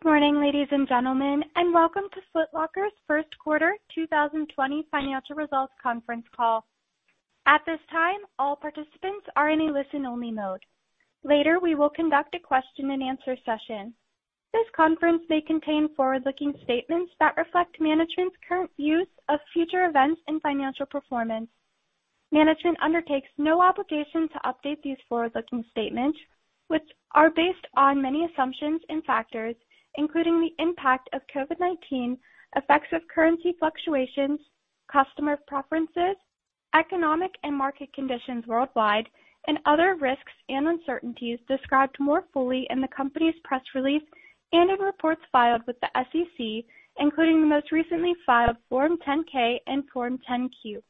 Good morning, ladies and gentlemen, and welcome to Foot Locker's First Quarter 2020 Financial Results Conference Call. At this time, all participants are in a listen-only mode. Later, we will conduct a question-and-answer session. This conference may contain forward-looking statements that reflect management's current views of future events and financial performance. Management undertakes no obligation to update these forward-looking statements, which are based on many assumptions and factors, including the impact of COVID-19, effects of currency fluctuations, customer preferences, economic and market conditions worldwide, and other risks and uncertainties described more fully in the company's press release and in reports filed with the SEC, including the most recently filed Form 10-K and Form 10-Q.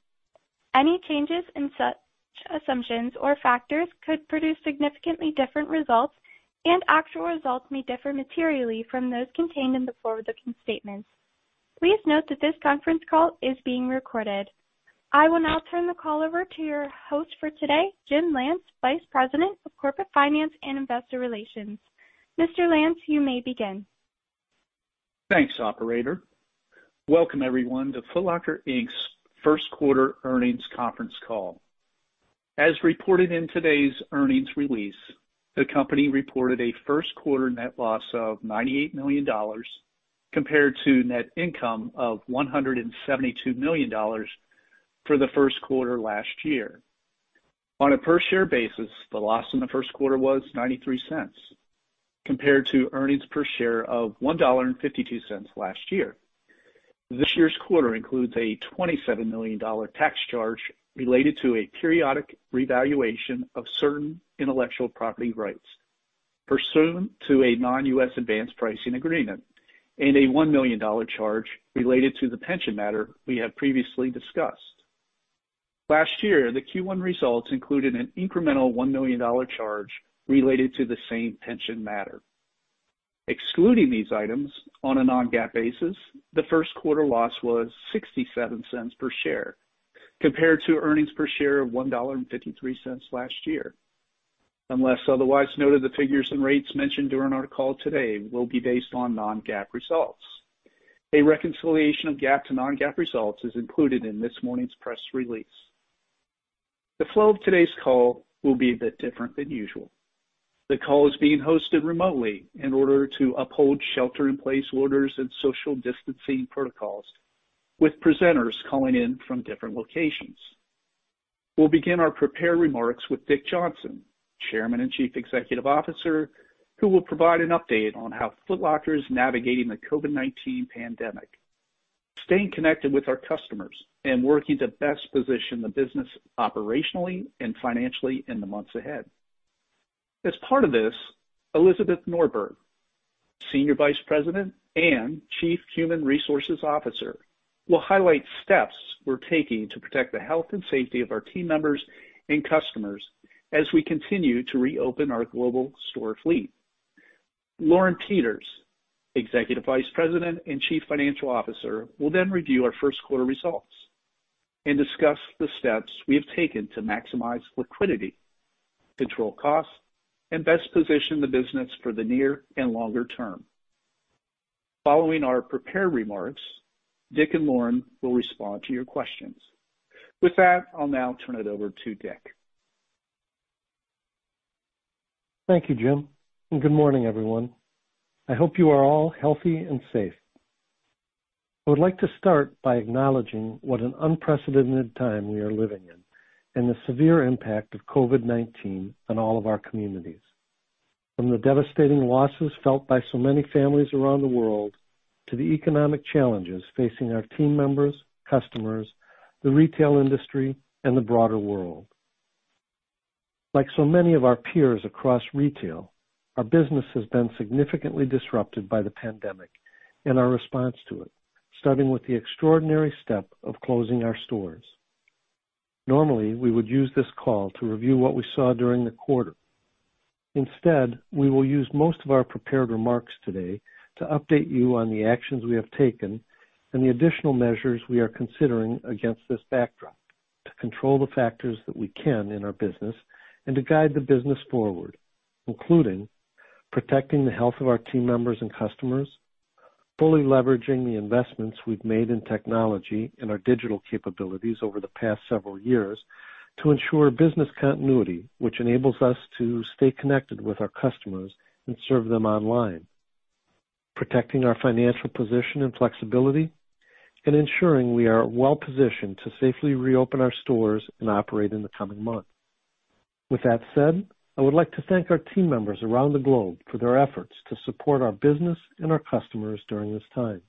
Any changes in such assumptions or factors could produce significantly different results, and actual results may differ materially from those contained in the forward-looking statements. Please note that this conference call is being recorded. I will now turn the call over to your host for today, Jim Lance, Vice President of Corporate Finance and Investor Relations. Mr. Lance, you may begin. Thanks, operator. Welcome, everyone, to Foot Locker, Inc.'s first quarter earnings conference call. As reported in today's earnings release, the company reported a first quarter net loss of $98 million compared to net income of $172 million for the first quarter last year. On a per-share basis, the loss in the first quarter was $0.93 compared to earnings per share of $1.52 last year. This year's quarter includes a $27 million tax charge related to a periodic revaluation of certain intellectual property rights pursuant to a non-U.S. advance pricing agreement and a $1 million charge related to the pension matter we have previously discussed. Last year, the Q1 results included an incremental $1 million charge related to the same pension matter. Excluding these items, on a non-GAAP basis, the first quarter loss was $0.67 per share compared to earnings per share of $1.53 last year. Unless otherwise noted, the figures and rates mentioned during our call today will be based on non-GAAP results. A reconciliation of GAAP to non-GAAP results is included in this morning's press release. The flow of today's call will be a bit different than usual. The call is being hosted remotely in order to uphold shelter-in-place orders and social distancing protocols, with presenters calling in from different locations. We'll begin our prepared remarks with Dick Johnson, Chairman and Chief Executive Officer, who will provide an update on how Foot Locker is navigating the COVID-19 pandemic, staying connected with our customers, and working to best position the business operationally and financially in the months ahead. As part of this, Elizabeth Norberg, Senior Vice President and Chief Human Resources Officer, will highlight steps we're taking to protect the health and safety of our team members and customers as we continue to reopen our global store fleet. Lauren Peters, Executive Vice President and Chief Financial Officer, will then review our first quarter results and discuss the steps we have taken to maximize liquidity, control costs, and best position the business for the near and longer term. Following our prepared remarks, Dick and Lauren will respond to your questions. With that, I'll now turn it over to Dick. Thank you, Jim, and good morning, everyone. I hope you are all healthy and safe. I would like to start by acknowledging what an unprecedented time we are living in and the severe impact of COVID-19 on all of our communities, from the devastating losses felt by so many families around the world to the economic challenges facing our team members, customers, the retail industry, and the broader world. Like so many of our peers across retail, our business has been significantly disrupted by the pandemic and our response to it, starting with the extraordinary step of closing our stores. Normally, we would use this call to review what we saw during the quarter. Instead, we will use most of our prepared remarks today to update you on the actions we have taken and the additional measures we are considering against this backdrop to control the factors that we can in our business. To guide the business forward, including protecting the health of our team members and customers, fully leveraging the investments we've made in technology and our digital capabilities over the past several years to ensure business continuity, which enables us to stay connected with our customers and serve them online, protecting our financial position and flexibility, and ensuring we are well-positioned to safely reopen our stores and operate in the coming months. I would like to thank our team members around the globe for their efforts to support our business and our customers during this time.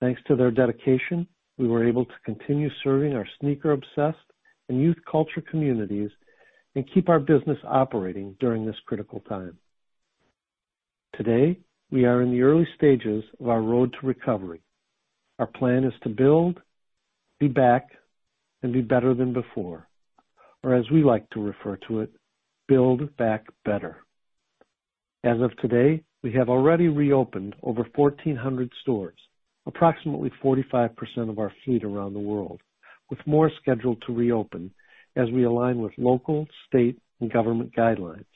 Thanks to their dedication, we were able to continue serving our sneaker-obsessed and youth culture communities and keep our business operating during this critical time. Today, we are in the early stages of our road to recovery. Our plan is to build, be back, and be better than before. As we like to refer to it, build back better. As of today, we have already reopened over 1,400 stores, approximately 45% of our fleet around the world. With more scheduled to reopen as we align with local, state, and government guidelines.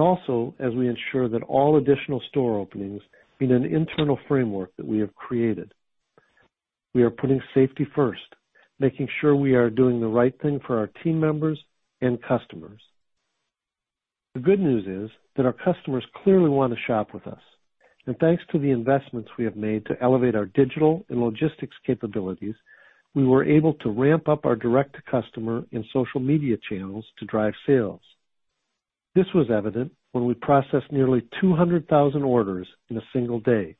Also as we ensure that all additional store openings meet an internal framework that we have created. We are putting safety first, making sure we are doing the right thing for our team members and customers. The good news is that our customers clearly want to shop with us, and thanks to the investments we have made to elevate our digital and logistics capabilities, we were able to ramp up our direct-to-customer and social media channels to drive sales. This was evident when we processed nearly 200,000 orders in a single day.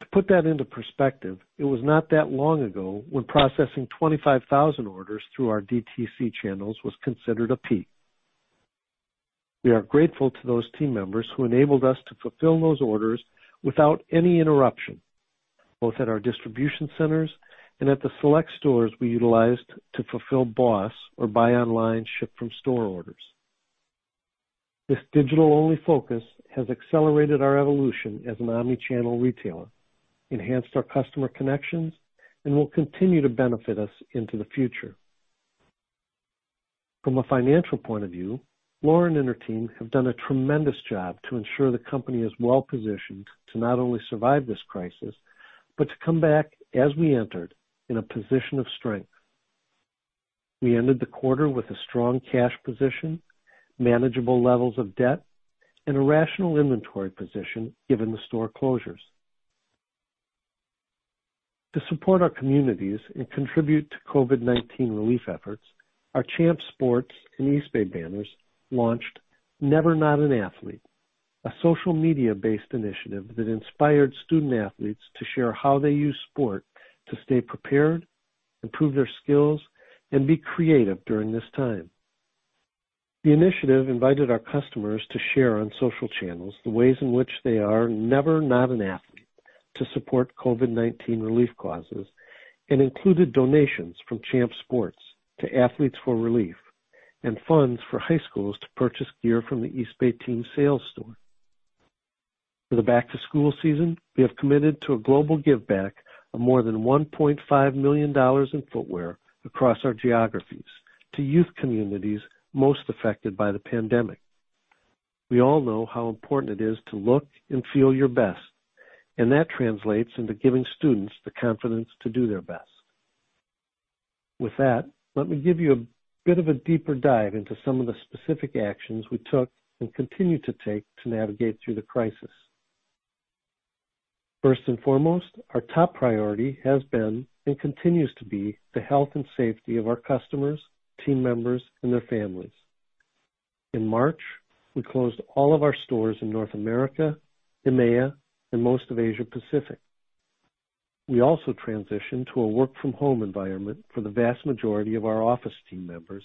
To put that into perspective, it was not that long ago when processing 25,000 orders through our DTC channels was considered a peak. We are grateful to those team members who enabled us to fulfill those orders without any interruption, both at our distribution centers and at the select stores we utilized to fulfill BOSS or buy online, ship from store orders. This digital-only focus has accelerated our evolution as an omnichannel retailer, enhanced our customer connections, and will continue to benefit us into the future. From a financial point of view, Lauren and her team have done a tremendous job to ensure the company is well-positioned to not only survive this crisis, but to come back as we entered in a position of strength. We ended the quarter with a strong cash position, manageable levels of debt, and a rational inventory position, given the store closures. To support our communities and contribute to COVID-19 relief efforts, our Champs Sports and Eastbay banners launched Never Not An Athlete, a social media-based initiative that inspired student-athletes to share how they use sport to stay prepared, improve their skills, and be creative during this time. The initiative invited our customers to share on social channels the ways in which they are Never Not An Athlete to support COVID-19 relief causes and included donations from Champs Sports to Athletes for Relief and funds for high schools to purchase gear from the Eastbay Team Sales store. For the back-to-school season, we have committed to a global giveback of more than $1.5 million in footwear across our geographies to youth communities most affected by the pandemic. We all know how important it is to look and feel your best, and that translates into giving students the confidence to do their best. With that, let me give you a bit of a deeper dive into some of the specific actions we took and continue to take to navigate through the crisis. First and foremost, our top priority has been, and continues to be, the health and safety of our customers, team members, and their families. In March, we closed all of our stores in North America, EMEA, and most of Asia Pacific. We also transitioned to a work-from-home environment for the vast majority of our office team members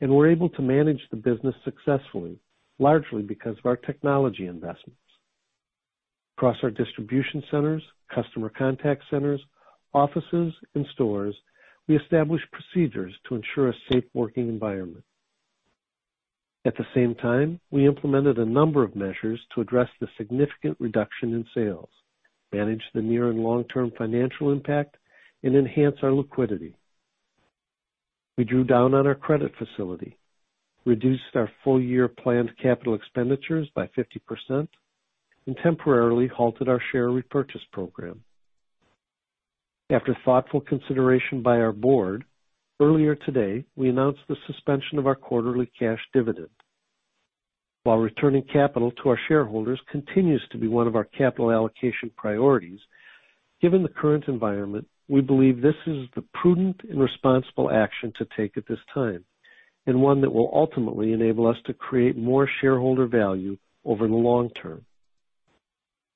and were able to manage the business successfully, largely because of our technology investments. Across our distribution centers, customer contact centers, offices, and stores, we established procedures to ensure a safe working environment. At the same time, we implemented a number of measures to address the significant reduction in sales, manage the near and long-term financial impact, and enhance our liquidity. We drew down on our credit facility, reduced our full-year planned CapEx by 50%, and temporarily halted our share repurchase program. After thoughtful consideration by our board, earlier today, we announced the suspension of our quarterly cash dividend. While returning capital to our shareholders continues to be one of our capital allocation priorities, given the current environment, we believe this is the prudent and responsible action to take at this time, and one that will ultimately enable us to create more shareholder value over the long-term.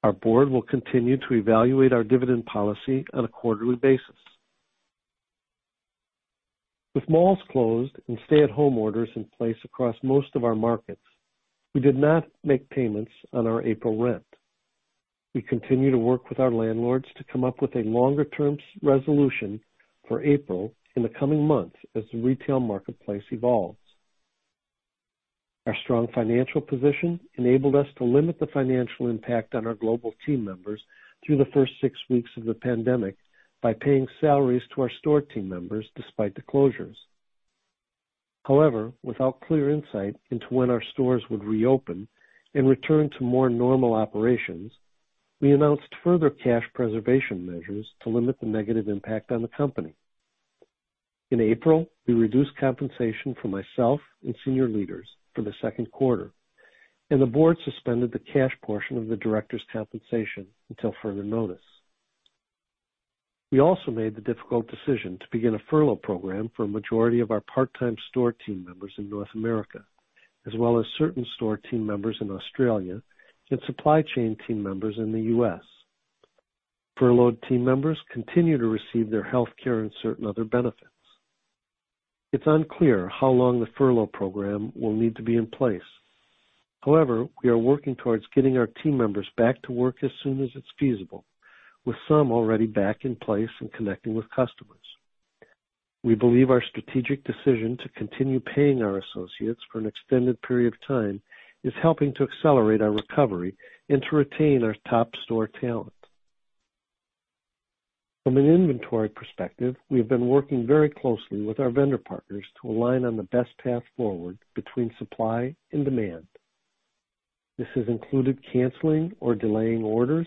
Our board will continue to evaluate our dividend policy on a quarterly basis. With malls closed and stay-at-home orders in place across most of our markets, we did not make payments on our April rent. We continue to work with our landlords to come up with a longer term resolution for April in the coming months as the retail marketplace evolves. Our strong financial position enabled us to limit the financial impact on our global team members through the first six weeks of the pandemic by paying salaries to our store team members despite the closures. However, without clear insight into when our stores would reopen and return to more normal operations, we announced further cash preservation measures to limit the negative impact on the company. In April, we reduced compensation for myself and senior leaders for the second quarter, and the board suspended the cash portion of the directors' compensation until further notice. We also made the difficult decision to begin a furlough program for a majority of our part-time store team members in North America, as well as certain store team members in Australia and supply chain team members in the U.S. Furloughed team members continue to receive their healthcare and certain other benefits. It's unclear how long the furlough program will need to be in place. We are working towards getting our team members back to work as soon as it's feasible, with some already back in place and connecting with customers. We believe our strategic decision to continue paying our associates for an extended period of time is helping to accelerate our recovery and to retain our top store talent. From an inventory perspective, we have been working very closely with our vendor partners to align on the best path forward between supply and demand. This has included canceling or delaying orders,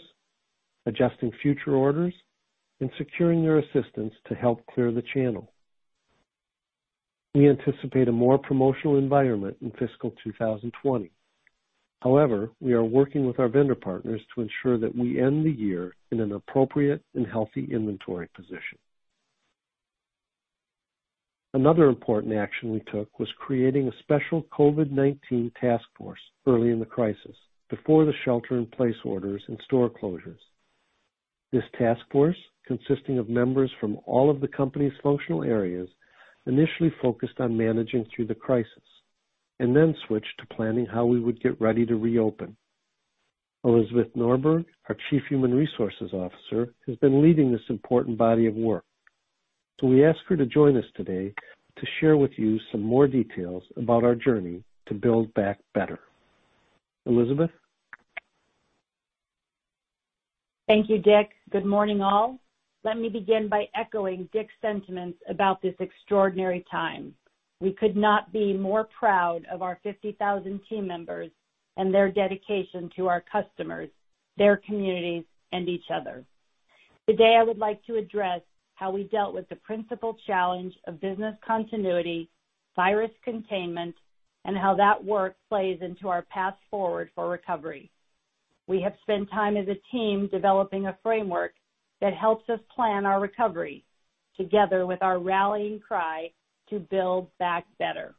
adjusting future orders, and securing their assistance to help clear the channel. We anticipate a more promotional environment in fiscal 2020. We are working with our vendor partners to ensure that we end the year in an appropriate and healthy inventory position. Another important action we took was creating a special COVID-19 task force early in the crisis, before the shelter-in-place orders and store closures. This task force, consisting of members from all of the company's functional areas, initially focused on managing through the crisis and then switched to planning how we would get ready to reopen. Elizabeth Norberg, our Chief Human Resources Officer, has been leading this important body of work. We ask her to join us today to share with you some more details about our journey to build back better. Elizabeth? Thank you, Dick. Good morning, all. Let me begin by echoing Dick's sentiments about this extraordinary time. We could not be more proud of our 50,000 team members and their dedication to our customers, their communities, and each other. Today, I would like to address how we dealt with the principal challenge of business continuity, virus containment, and how that work plays into our path forward for recovery. We have spent time as a team developing a framework that helps us plan our recovery, together with our rallying cry to build back better.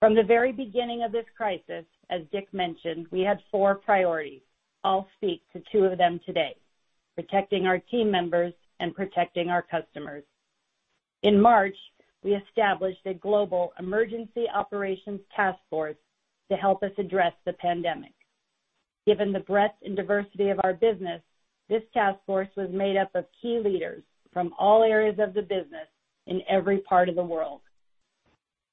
From the very beginning of this crisis, as Dick mentioned, we had four priorities. I'll speak to two of them today, protecting our team members and protecting our customers. In March, we established a global emergency operations task force to help us address the pandemic. Given the breadth and diversity of our business, this task force was made up of key leaders from all areas of the business in every part of the world.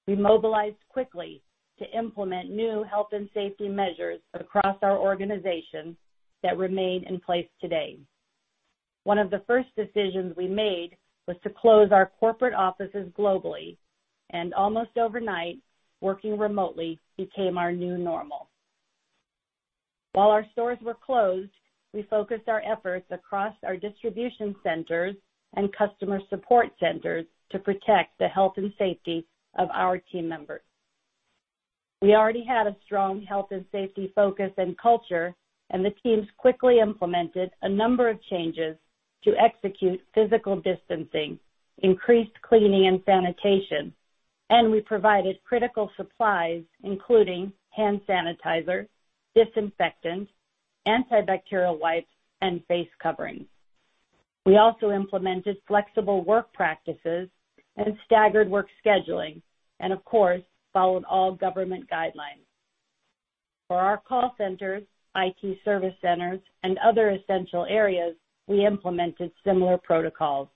We mobilized quickly to implement new health and safety measures across our organization that remain in place today. One of the first decisions we made was to close our corporate offices globally, and almost overnight, working remotely became our new normal. While our stores were closed, we focused our efforts across our distribution centers and customer support centers to protect the health and safety of our team members. We already had a strong health and safety focus and culture, and the teams quickly implemented a number of changes to execute physical distancing, increased cleaning and sanitation, and we provided critical supplies, including hand sanitizer, disinfectant, antibacterial wipes, and face coverings. We also implemented flexible work practices and staggered work scheduling and, of course, followed all government guidelines. For our call centers, IT service centers, and other essential areas, we implemented similar protocols.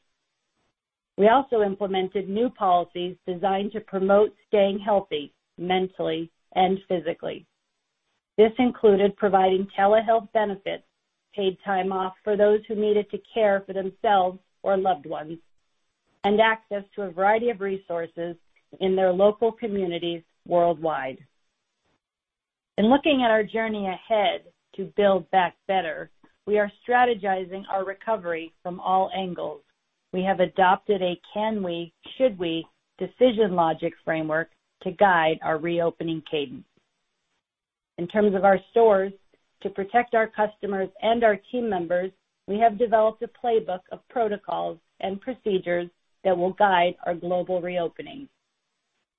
We also implemented new policies designed to promote staying healthy mentally and physically. This included providing telehealth benefits, paid time off for those who needed to care for themselves or loved ones, and access to a variety of resources in their local communities worldwide. In looking at our journey ahead to build back better, we are strategizing our recovery from all angles. We have adopted a can we, should we decision logic framework to guide our reopening cadence. In terms of our stores, to protect our customers and our team members, we have developed a playbook of protocols and procedures that will guide our global reopening.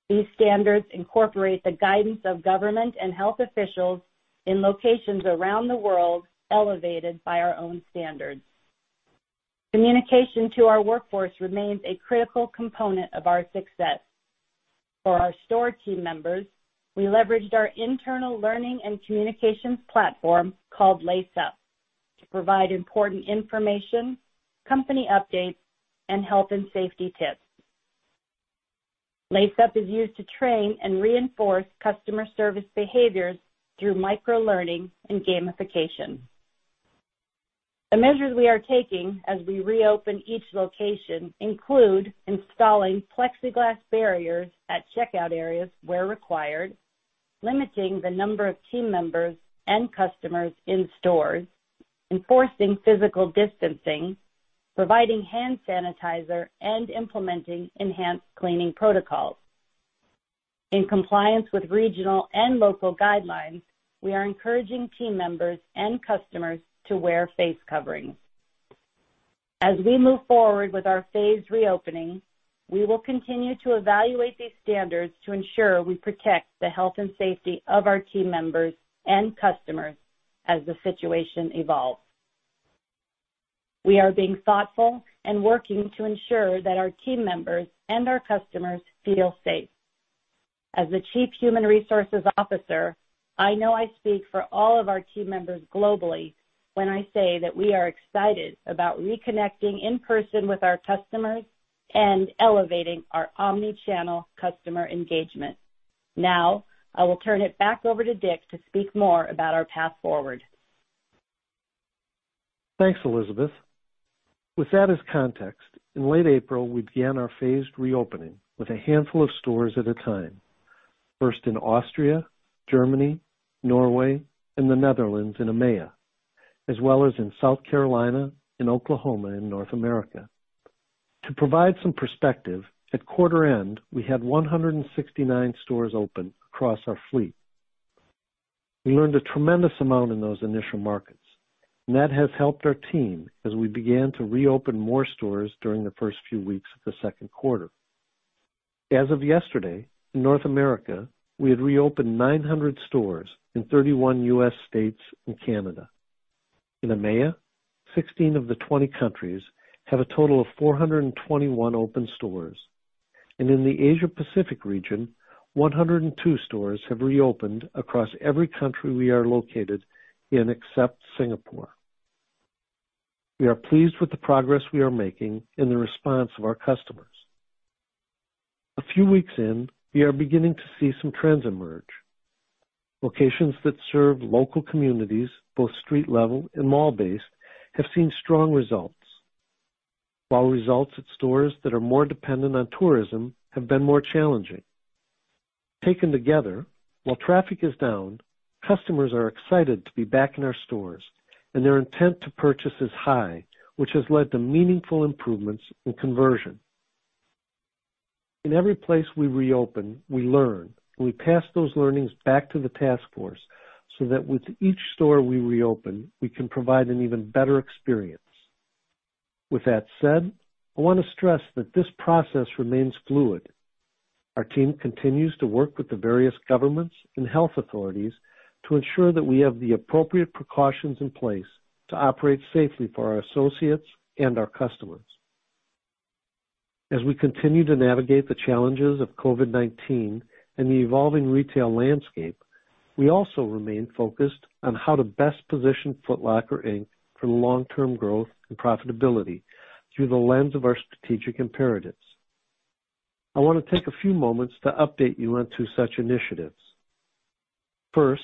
These standards incorporate the guidance of government and health officials in locations around the world, elevated by our own standards. Communication to our workforce remains a critical component of our success. For our store team members, we leveraged our internal learning and communications platform called Lace Up to provide important information, company updates, and health and safety tips. Lace Up is used to train and reinforce customer service behaviors through microlearning and gamification. The measures we are taking as we reopen each location include installing plexiglass barriers at checkout areas where required, limiting the number of team members and customers in stores, enforcing physical distancing, providing hand sanitizer, and implementing enhanced cleaning protocols. In compliance with regional and local guidelines, we are encouraging team members and customers to wear face coverings. As we move forward with our phased reopening, we will continue to evaluate these standards to ensure we protect the health and safety of our team members and customers as the situation evolves. We are being thoughtful and working to ensure that our team members and our customers feel safe. As the Chief Human Resources Officer, I know I speak for all of our team members globally when I say that we are excited about reconnecting in person with our customers and elevating our omni-channel customer engagement. Now, I will turn it back over to Dick to speak more about our path forward. Thanks, Elizabeth. With that as context, in late April, we began our phased reopening with a handful of stores at a time. First in Austria, Germany, Norway, and the Netherlands and EMEA, as well as in South Carolina and Oklahoma in North America. To provide some perspective, at quarter end, we had 169 stores open across our fleet. We learned a tremendous amount in those initial markets, and that has helped our team as we began to reopen more stores during the first few weeks of the second quarter. As of yesterday, in North America, we had reopened 900 stores in 31 U.S. states and Canada. In EMEA, 16 of the 20 countries have a total of 421 open stores. In the Asia Pacific region, 102 stores have reopened across every country we are located in except Singapore. We are pleased with the progress we are making and the response of our customers. A few weeks in, we are beginning to see some trends emerge. Locations that serve local communities, both street level and mall-based, have seen strong results, while results at stores that are more dependent on tourism have been more challenging. Taken together, while traffic is down, customers are excited to be back in our stores and their intent to purchase is high, which has led to meaningful improvements in conversion. In every place we reopen, we learn, and we pass those learnings back to the task force so that with each store we reopen, we can provide an even better experience. With that said, I want to stress that this process remains fluid. Our team continues to work with the various governments and health authorities to ensure that we have the appropriate precautions in place to operate safely for our associates and our customers. As we continue to navigate the challenges of COVID-19 and the evolving retail landscape, we also remain focused on how to best position Foot Locker, Inc. for long-term growth and profitability through the lens of our strategic imperatives. I want to take a few moments to update you on two such initiatives. First,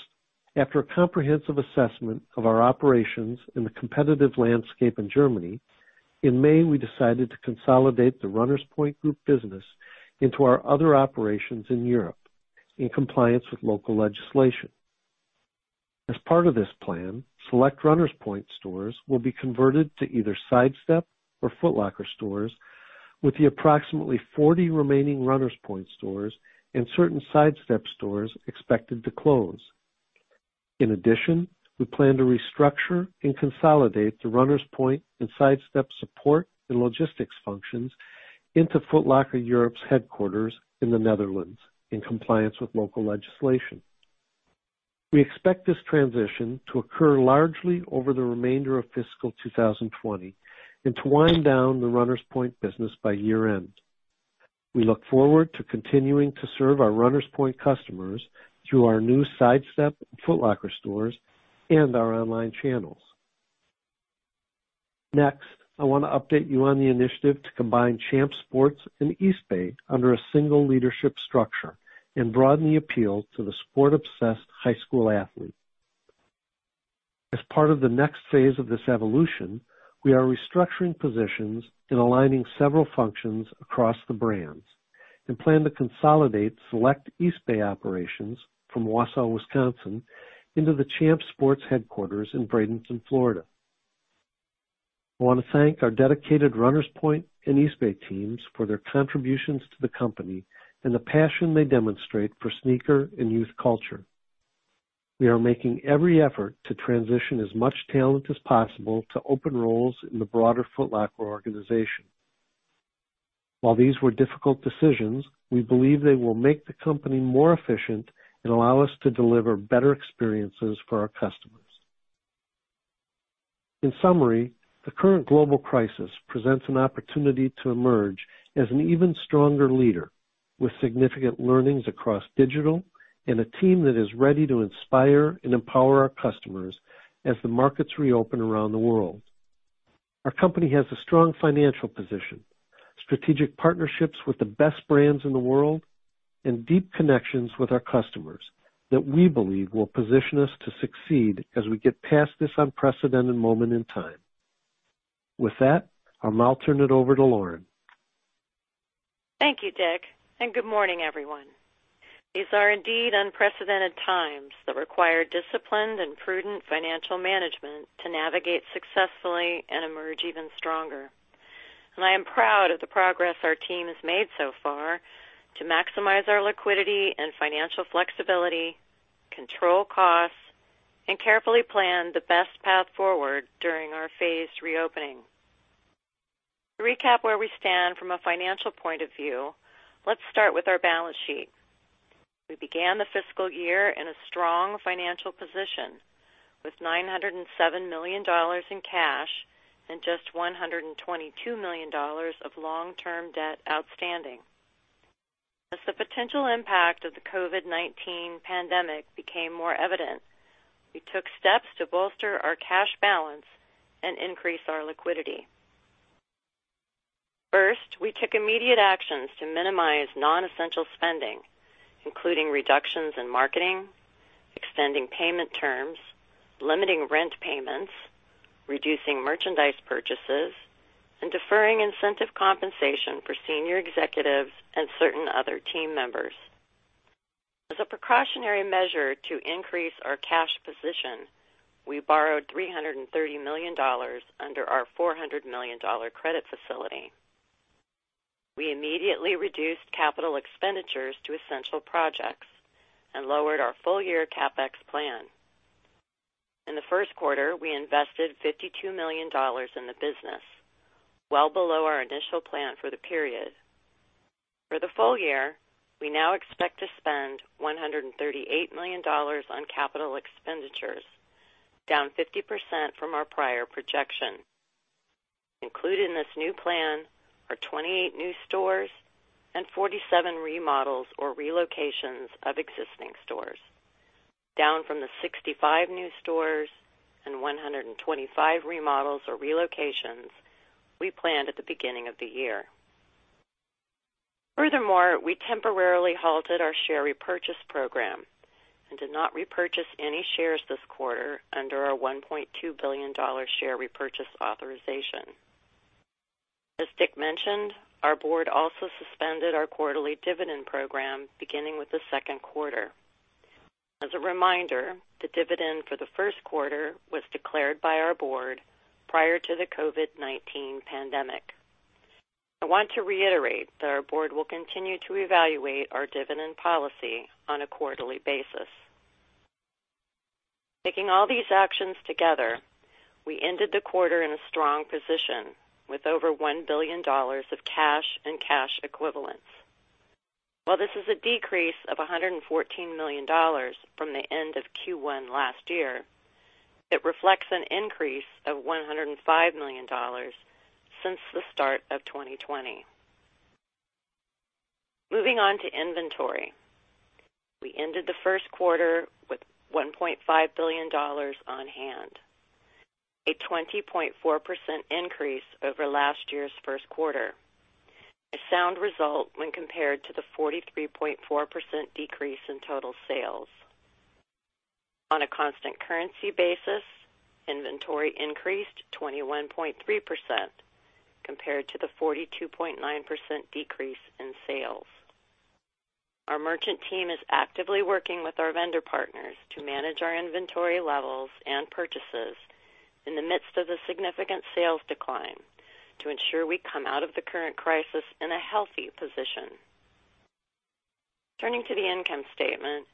after a comprehensive assessment of our operations in the competitive landscape in Germany, in May, we decided to consolidate the Runners Point Group business into our other operations in Europe in compliance with local legislation. As part of this plan, select Runners Point stores will be converted to either SIDESTEP or Foot Locker stores with the approximately 40 remaining Runners Point stores and certain SIDESTEP stores expected to close. In addition, we plan to restructure and consolidate the Runners Point and SIDESTEP support and logistics functions into Foot Locker Europe's headquarters in the Netherlands in compliance with local legislation. We expect this transition to occur largely over the remainder of fiscal 2020 and to wind down the Runners Point business by year-end. We look forward to continuing to serve our Runners Point customers through our new SIDESTEP and Foot Locker stores and our online channels. Next, I want to update you on the initiative to combine Champs Sports and Eastbay under a single leadership structure and broaden the appeal to the sport-obsessed high school athlete. As part of the next phase of this evolution, we are restructuring positions and aligning several functions across the brands and plan to consolidate select Eastbay operations from Wausau, Wisconsin, into the Champs Sports headquarters in Bradenton, Florida. I want to thank our dedicated Runners Point and Eastbay teams for their contributions to the company and the passion they demonstrate for sneaker and youth culture. We are making every effort to transition as much talent as possible to open roles in the broader Foot Locker organization. While these were difficult decisions, we believe they will make the company more efficient and allow us to deliver better experiences for our customers. In summary, the current global crisis presents an opportunity to emerge as an even stronger leader with significant learnings across digital and a team that is ready to inspire and empower our customers as the markets reopen around the world. Our company has a strong financial position, strategic partnerships with the best brands in the world, and deep connections with our customers that we believe will position us to succeed as we get past this unprecedented moment in time. With that, I'll now turn it over to Lauren. Thank you, Dick. Good morning, everyone. These are indeed unprecedented times that require disciplined and prudent financial management to navigate successfully and emerge even stronger. I am proud of the progress our team has made so far to maximize our liquidity and financial flexibility, control costs, and carefully plan the best path forward during our phased reopening. To recap where we stand from a financial point of view, let's start with our balance sheet. We began the fiscal year in a strong financial position. With $907 million in cash and just $122 million of long-term debt outstanding. As the potential impact of the COVID-19 pandemic became more evident, we took steps to bolster our cash balance and increase our liquidity. First, we took immediate actions to minimize non-essential spending, including reductions in marketing, extending payment terms, limiting rent payments, reducing merchandise purchases, and deferring incentive compensation for senior executives and certain other team members. As a precautionary measure to increase our cash position, we borrowed $330 million under our $400 million credit facility. We immediately reduced capital expenditures to essential projects and lowered our full-year CapEx plan. In the first quarter, we invested $52 million in the business, well below our initial plan for the period. For the full year, we now expect to spend $138 million on capital expenditures, down 50% from our prior projection. Included in this new plan are 28 new stores and 47 remodels or relocations of existing stores, down from the 65 new stores and 125 remodels or relocations we planned at the beginning of the year. Furthermore, we temporarily halted our share repurchase program and did not repurchase any shares this quarter under our $1.2 billion share repurchase authorization. As Dick mentioned, our board also suspended our quarterly dividend program beginning with the second quarter. As a reminder, the dividend for the first quarter was declared by our board prior to the COVID-19 pandemic. I want to reiterate that our board will continue to evaluate our dividend policy on a quarterly basis. Taking all these actions together, we ended the quarter in a strong position with over $1 billion of cash and cash equivalents. While this is a decrease of $114 million from the end of Q1 last year, it reflects an increase of $105 million since the start of 2020. Moving on to inventory. We ended the first quarter with $1.5 billion on hand, a 20.4% increase over last year's first quarter, a sound result when compared to the 43.4% decrease in total sales. On a constant currency basis, inventory increased 21.3% compared to the 42.9% decrease in sales. Our merchant team is actively working with our vendor partners to manage our inventory levels and purchases in the midst of the significant sales decline to ensure we come out of the current crisis in a healthy position. Turning to the income statement.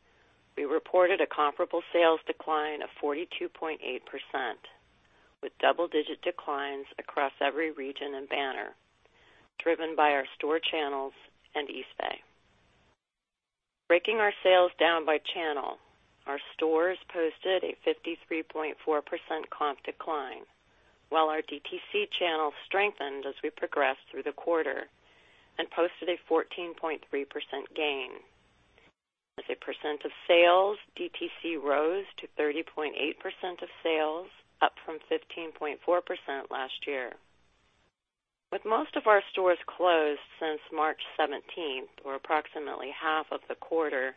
We reported a comparable sales decline of 42.8%, with double-digit declines across every region and banner, driven by our store channels and Eastbay. Breaking our sales down by channel. Our stores posted a 53.4% comp decline, while our DTC channel strengthened as we progressed through the quarter and posted a 14.3% gain. As a percent of sales, DTC rose to 30.8% of sales, up from 15.4% last year. With most of our stores closed since March 17th, or approximately half of the quarter,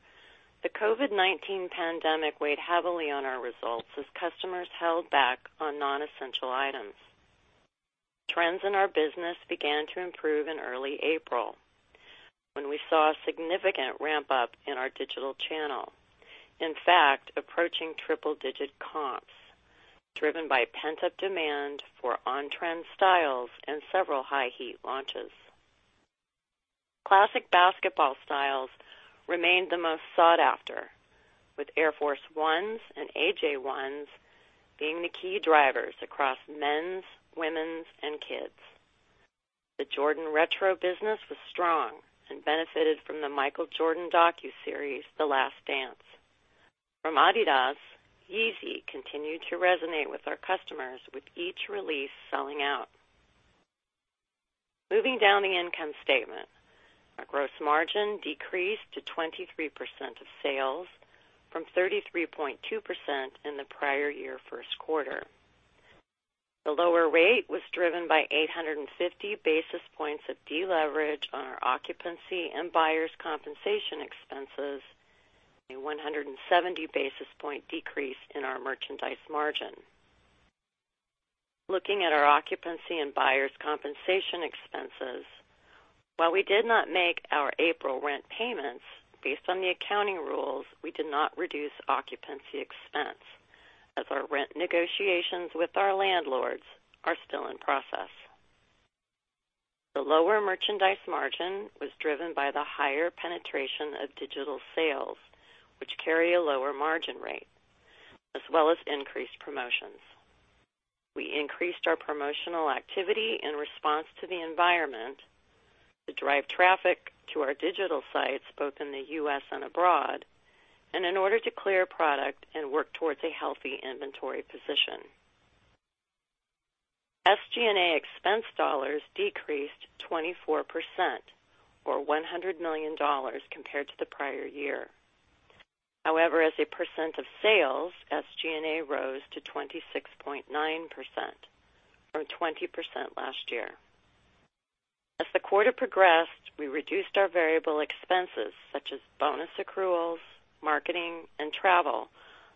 the COVID-19 pandemic weighed heavily on our results as customers held back on non-essential items. Trends in our business began to improve in early April, when we saw a significant ramp-up in our digital channel. In fact, approaching triple-digit comps, driven by pent-up demand for on-trend styles and several high-heat launches. Classic basketball styles remained the most sought after, with Air Force 1s and AJ1s being the key drivers across men's, women's, and kids. The Jordan Retro business was strong and benefited from the Michael Jordan docuseries, "The Last Dance." From Adidas, Yeezy continued to resonate with our customers, with each release selling out. Moving down the income statement. Our gross margin decreased to 23% of sales from 33.2% in the prior year first quarter. The lower rate was driven by 850 basis points of deleverage on our occupancy and buyers' compensation expenses, a 170 basis point decrease in our merchandise margin. Looking at our occupancy and buyers' compensation expenses. While we did not make our April rent payments, based on the accounting rules, we did not reduce occupancy expense, as our rent negotiations with our landlords are still in process. The lower merchandise margin was driven by the higher penetration of digital sales, which carry a lower margin rate, as well as increased promotions. We increased our promotional activity in response to the environment to drive traffic to our digital sites, both in the U.S. and abroad, and in order to clear product and work towards a healthy inventory position. SG&A expense dollars decreased 24%, or $100 million compared to the prior year. As a percent of sales, SG&A rose to 26.9% from 20% last year. As the quarter progressed, we reduced our variable expenses, such as bonus accruals, marketing, and travel,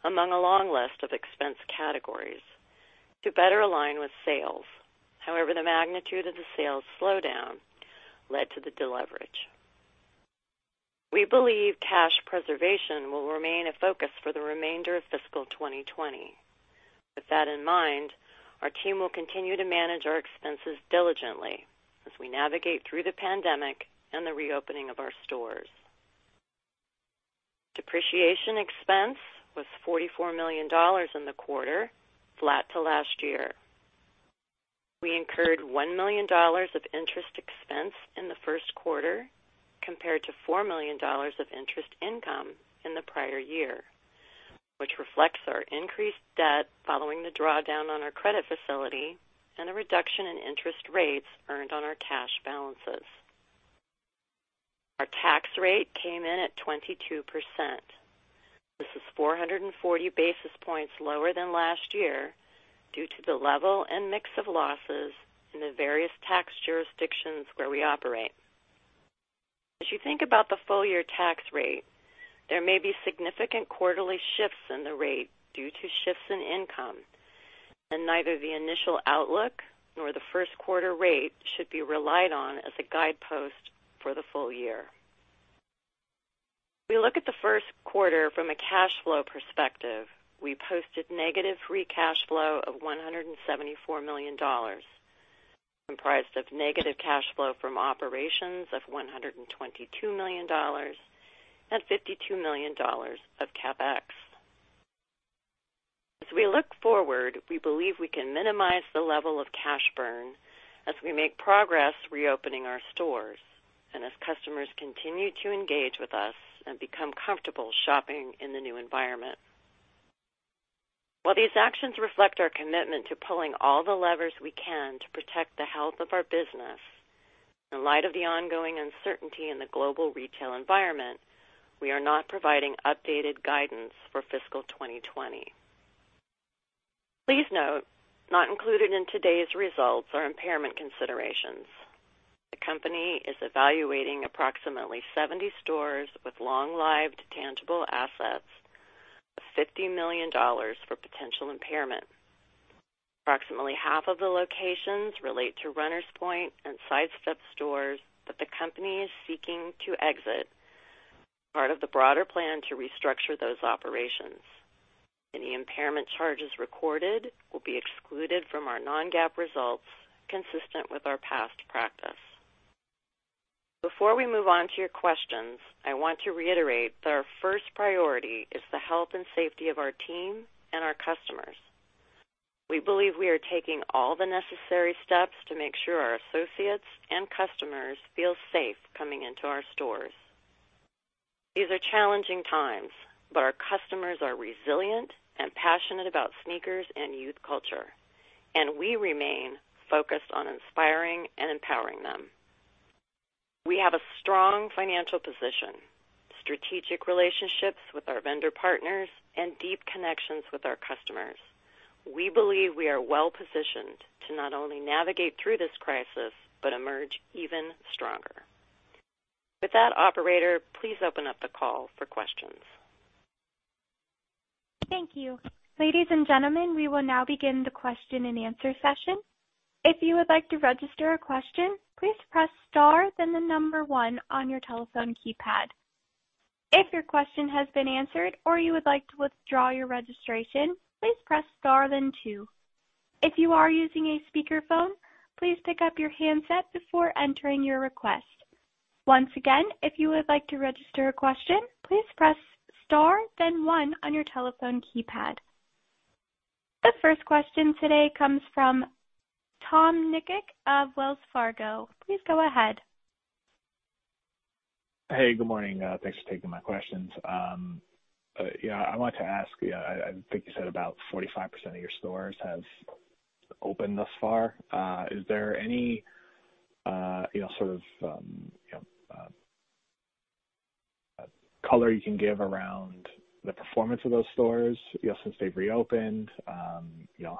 among a long list of expense categories to better align with sales. The magnitude of the sales slowdown led to the deleverage. We believe cash preservation will remain a focus for the remainder of fiscal 2020. With that in mind, our team will continue to manage our expenses diligently as we navigate through the pandemic and the reopening of our stores. Depreciation expense was $44 million in the quarter, flat to last year. We incurred $1 million of interest expense in the first quarter, compared to $4 million of interest income in the prior year, which reflects our increased debt following the drawdown on our credit facility and a reduction in interest rates earned on our cash balances. Our tax rate came in at 22%. This is 440 basis points lower than last year due to the level and mix of losses in the various tax jurisdictions where we operate. As you think about the full-year tax rate, there may be significant quarterly shifts in the rate due to shifts in income, and neither the initial outlook nor the first quarter rate should be relied on as a guidepost for the full year. We look at the first quarter from a cash flow perspective. We posted negative free cash flow of $174 million, comprised of negative cash flow from operations of $122 million and $52 million of CapEx. As we look forward, we believe we can minimize the level of cash burn as we make progress reopening our stores, and as customers continue to engage with us and become comfortable shopping in the new environment. While these actions reflect our commitment to pulling all the levers we can to protect the health of our business, in light of the ongoing uncertainty in the global retail environment, we are not providing updated guidance for fiscal 2020. Please note, not included in today's results are impairment considerations. The company is evaluating approximately 70 stores with long-lived tangible assets of $50 million for potential impairment. Approximately half of the locations relate to Runners Point and SIDESTEP stores that the company is seeking to exit, part of the broader plan to restructure those operations. Any impairment charges recorded will be excluded from our non-GAAP results, consistent with our past practice. Before we move on to your questions, I want to reiterate that our first priority is the health and safety of our team and our customers. We believe we are taking all the necessary steps to make sure our associates and customers feel safe coming into our stores. These are challenging times, but our customers are resilient and passionate about sneakers and youth culture, and we remain focused on inspiring and empowering them. We have a strong financial position, strategic relationships with our vendor partners, and deep connections with our customers. We believe we are well-positioned to not only navigate through this crisis but emerge even stronger. With that, operator, please open up the call for questions. Thank you. Ladies and gentlemen, we will now begin the question-and-answer session. If you would like to register a question, please press star then the number one on your telephone keypad. If your question has been answered or you would like to withdraw your registration, please press star then two. If you are using a speakerphone, please pick up your handset before entering your request. Once again, if you would like to register a question, please press star then one on your telephone keypad. The first question today comes from Tom Nikic of Wells Fargo. Please go ahead. Hey, good morning. Thanks for taking my questions. I wanted to ask, I think you said about 45% of your stores have opened thus far. Is there any sort of color you can give around the performance of those stores since they've reopened?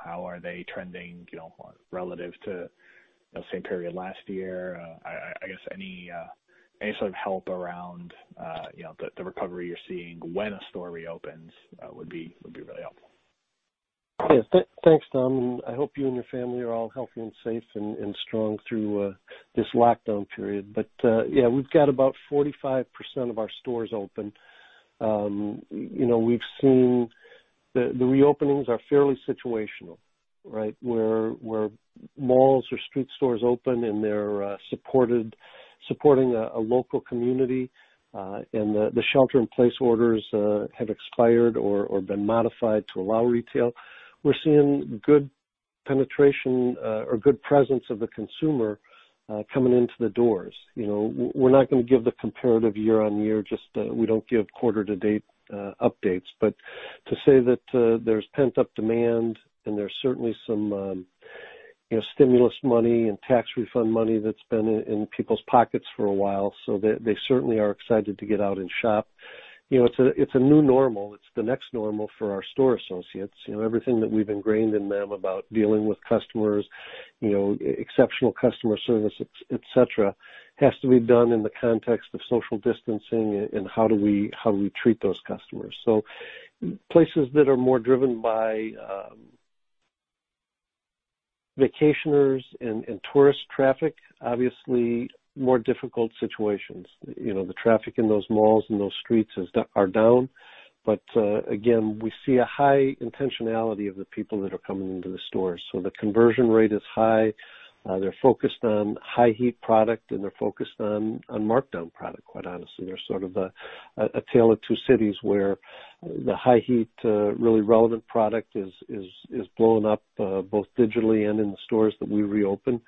How are they trending relative to the same period last year? I guess any sort of help around the recovery you're seeing when a store reopens would be really helpful. Yeah. Thanks, Tom. I hope you and your family are all healthy and safe and strong through this lockdown period. Yeah, we've got about 45% of our stores open. We've seen the reopenings are fairly situational, right? Where malls or street stores open and they're supporting a local community, the shelter-in-place orders have expired or been modified to allow retail. We're seeing good penetration or good presence of the consumer coming into the doors. We're not going to give the comparative year-over-year, just we don't give quarter-to-date updates. To say that there's pent-up demand and there's certainly some stimulus money and tax refund money that's been in people's pockets for a while, so they certainly are excited to get out and shop. It's a new normal. It's the next normal for our store associates. Everything that we've ingrained in them about dealing with customers, exceptional customer service, et cetera, has to be done in the context of social distancing and how do we treat those customers. Places that are more driven by vacationers and tourist traffic, obviously more difficult situations. The traffic in those malls and those streets are down. Again, we see a high intentionality of the people that are coming into the stores. The conversion rate is high. They're focused on high heat product, and they're focused on markdown product, quite honestly. They're sort of a tale of two cities where the high heat, really relevant product is blowing up both digitally and in the stores that we reopen.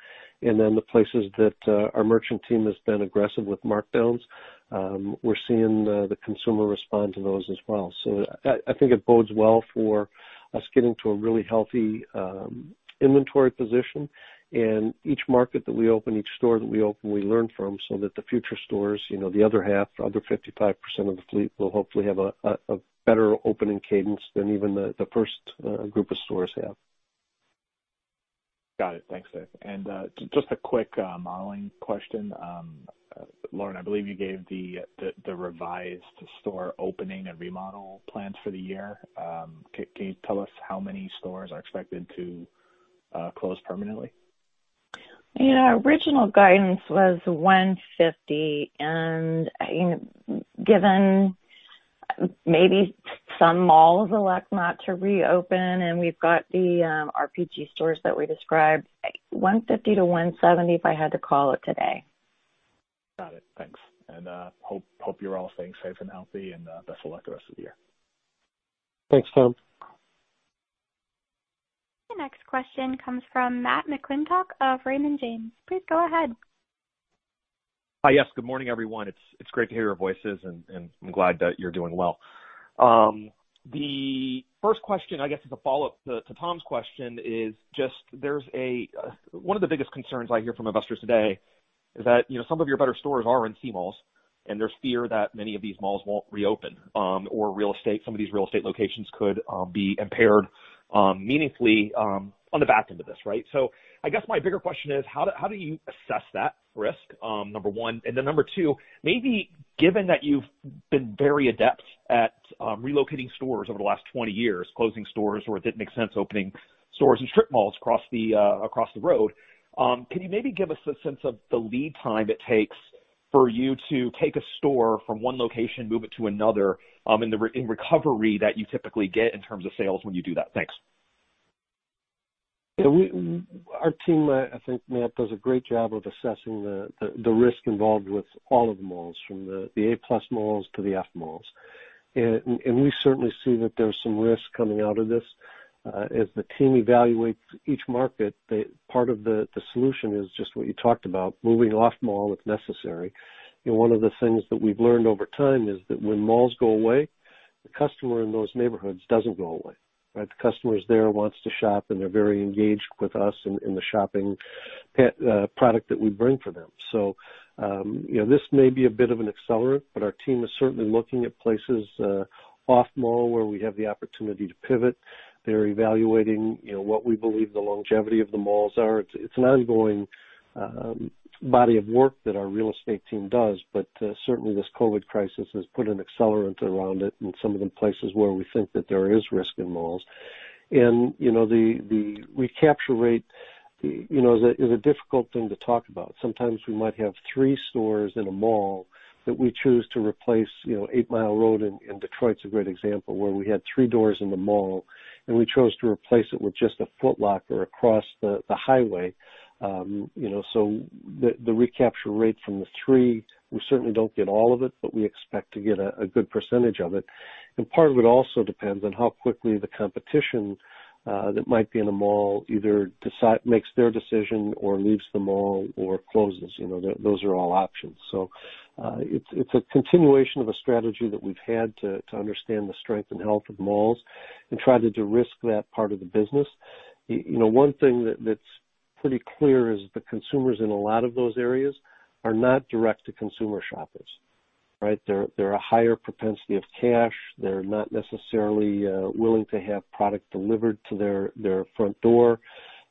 The places that our merchant team has been aggressive with markdowns, we're seeing the consumer respond to those as well. I think it bodes well for us getting to a really healthy inventory position. Each market that we open, each store that we open, we learn from, so that the future stores, the other half, the other 55% of the fleet, will hopefully have a better opening cadence than even the first group of stores have. Got it. Thanks, Dick. Just a quick modeling question. Lauren, I believe you gave the revised store opening and remodel plans for the year. Can you tell us how many stores are expected to close permanently? Yeah. Original guidance was 150, and given maybe some malls elect not to reopen, and we've got the RPG stores that we described, 150-170, if I had to call it today. Got it. Thanks. Hope you're all staying safe and healthy, and best of luck the rest of the year. Thanks, Tom. The next question comes from Matt McClintock of Raymond James. Please go ahead. Hi. Yes, good morning, everyone. It's great to hear your voices, and I'm glad that you're doing well. The first question, I guess, as a follow-up to Tom's question is just, one of the biggest concerns I hear from investors today is that some of your better stores are in C malls, and there's fear that many of these malls won't reopen, or some of these real estate locations could be impaired meaningfully on the back end of this, right? I guess my bigger question is, how do you assess that risk, number one? Then number two, maybe given that you've been very adept at relocating stores over the last 20 years, closing stores where it didn't make sense, opening stores in strip malls across the road, can you maybe give us a sense of the lead time it takes for you to take a store from one location, move it to another, and the recovery that you typically get in terms of sales when you do that? Thanks. Our team, I think, Matt, does a great job of assessing the risk involved with all of the malls, from the A+ malls to the F malls. We certainly see that there's some risk coming out of this. As the team evaluates each market, part of the solution is just what you talked about, moving off mall if necessary. One of the things that we've learned over time is that when malls go away, the customer in those neighborhoods doesn't go away, right? The customer's there, wants to shop, and they're very engaged with us in the shopping product that we bring for them. This may be a bit of an accelerant, but our team is certainly looking at places off mall where we have the opportunity to pivot. They're evaluating what we believe the longevity of the malls are. It is an ongoing body of work that our real estate team does, certainly this COVID crisis has put an accelerant around it in some of the places where we think that there is risk in malls. The recapture rate is a difficult thing to talk about. Sometimes we might have three stores in a mall that we choose to replace. Eight Mile Road in Detroit is a great example, where we had three doors in the mall, we chose to replace it with just a Foot Locker across the highway. The recapture rate from the three, we certainly don't get all of it, but we expect to get a good percentage of it. Part of it also depends on how quickly the competition that might be in a mall either makes their decision or leaves the mall or closes. Those are all options. It's a continuation of a strategy that we've had to understand the strength and health of malls and try to de-risk that part of the business. One thing that's pretty clear is the consumers in a lot of those areas are not direct-to-consumer shoppers, right? They're a higher propensity of cash. They're not necessarily willing to have product delivered to their front door.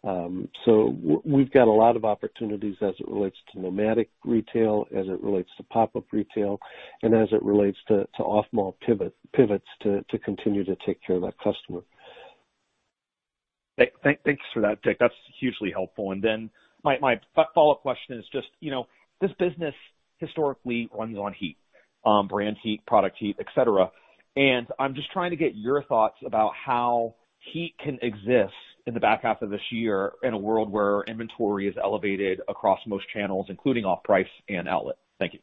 We've got a lot of opportunities as it relates to nomadic retail, as it relates to pop-up retail, and as it relates to off-mall pivots to continue to take care of that customer. Thanks for that, Dick. That's hugely helpful. My follow-up question is just, this business historically runs on heat brand heat, product heat, et cetera. I'm just trying to get your thoughts about how heat can exist in the back half of this year in a world where inventory is elevated across most channels, including off-price and outlet. Thank you.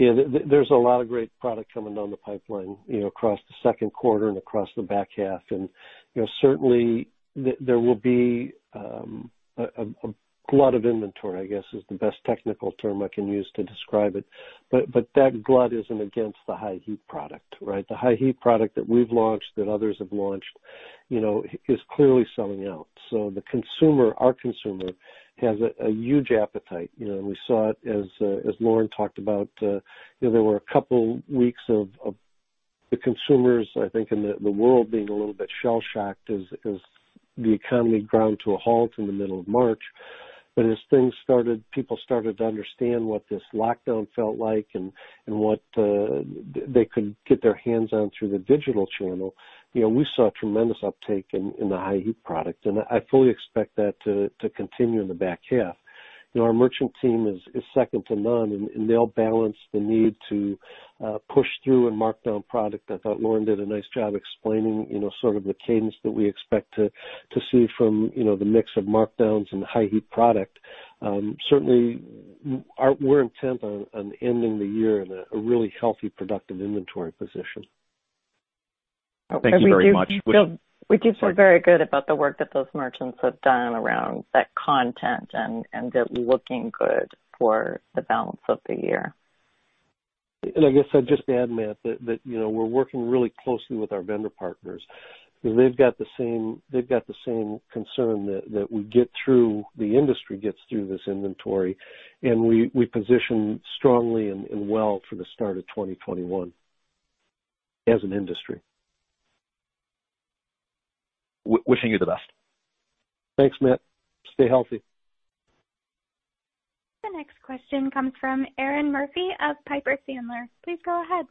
Yeah, there's a lot of great product coming down the pipeline across the second quarter and across the back half. Certainly, there will be a glut of inventory, I guess, is the best technical term I can use to describe it. That glut isn't against the high heat product, right? The high heat product that we've launched, that others have launched, is clearly selling out. The consumer, our consumer, has a huge appetite. We saw it as Lauren talked about, there were a couple weeks of the consumers, I think, and the world being a little bit shell-shocked as the economy ground to a halt in the middle of March. As people started to understand what this lockdown felt like and what they could get their hands on through the digital channel, we saw a tremendous uptake in the high heat product. I fully expect that to continue in the back half. Our merchant team is second to none, and they'll balance the need to push through and mark down product. I thought Lauren did a nice job explaining the cadence that we expect to see from the mix of markdowns and the high heat product. Certainly, we're intent on ending the year in a really healthy, productive inventory position. Thank you very much. We do feel very good about the work that those merchants have done around that content, and they're looking good for the balance of the year. I guess I'd just add, Matt, that we're working really closely with our vendor partners. They've got the same concern that the industry gets through this inventory, and we position strongly and well for the start of 2021 as an industry. Wishing you the best. Thanks, Matt. Stay healthy. The next question comes from Erinn Murphy of Piper Sandler. Please go ahead.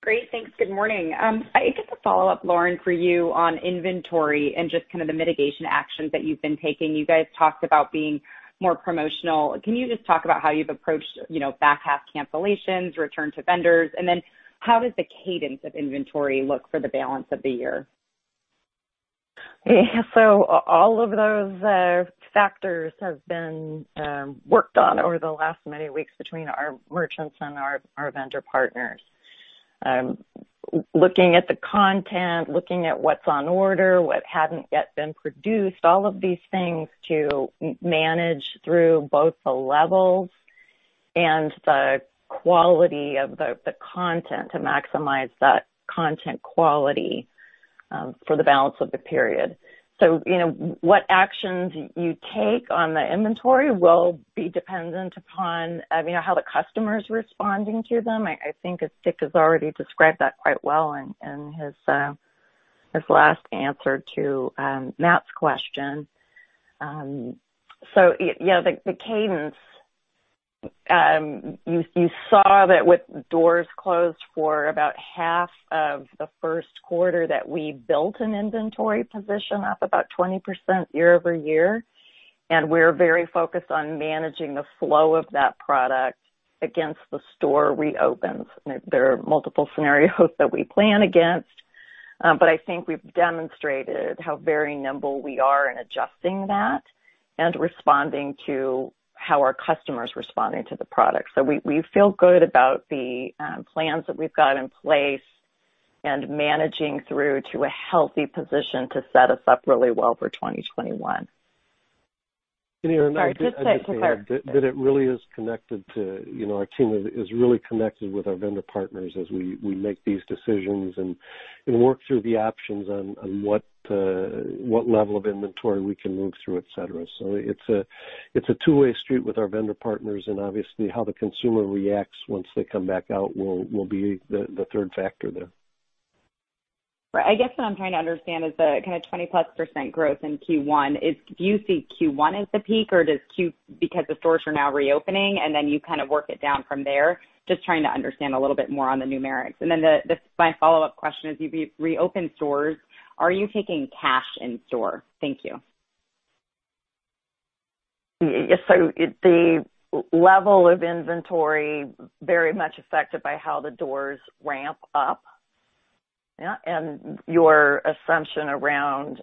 Great. Thanks. Good morning. I guess a follow-up, Lauren, for you on inventory and just the mitigation actions that you've been taking. You guys talked about being more promotional. Can you just talk about how you've approached back half cancellations, return to vendors, and then how does the cadence of inventory look for the balance of the year? All of those factors have been worked on over the last many weeks between our merchants and our vendor partners. Looking at the content, looking at what's on order, what hadn't yet been produced, all of these things to manage through both the levels and the quality of the content to maximize that content quality for the balance of the period. What actions you take on the inventory will be dependent upon how the customer's responding to them. I think as Dick has already described that quite well in his last answer to Matt's question. Yeah, the cadence, you saw that with doors closed for about half of the first quarter, that we built an inventory position up about 20% year-over-year, and we're very focused on managing the flow of that product against the store reopens. There are multiple scenarios that we plan against. I think we've demonstrated how very nimble we are in adjusting that and responding to how our customers responded to the product. We feel good about the plans that we've got in place and managing through to a healthy position to set us up really well for 2021. Erinn, I'd just add that it really is connected to our team is really connected with our vendor partners as we make these decisions and work through the options on what level of inventory we can move through, et cetera. It's a two-way street with our vendor partners, and obviously how the consumer reacts once they come back out will be the third factor there. Right. I guess what I'm trying to understand is the kind of 20%+ growth in Q1. Do you see Q1 as the peak, or because the stores are now reopening, and then you work it down from there? Just trying to understand a little bit more on the numerics. My follow-up question is, you've reopened stores. Are you taking cash in store? Thank you. The level of inventory very much affected by how the doors ramp up. Your assumption around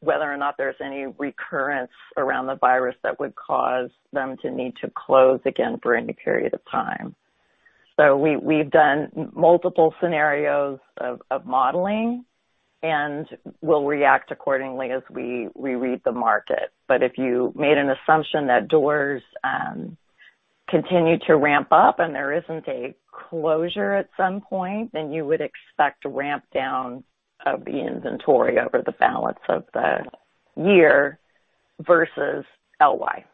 whether or not there's any recurrence around the virus that would cause them to need to close again for any period of time. We've done multiple scenarios of modeling, and we'll react accordingly as we read the market. If you made an assumption that doors continue to ramp up and there isn't a closure at some point, then you would expect ramp down of the inventory over the balance of the year versus LY.